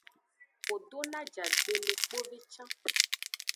Wo do no ajagbe le kpove can.